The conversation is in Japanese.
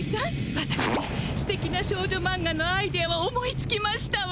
わたくしステキな少女マンガのアイデアを思いつきましたわ！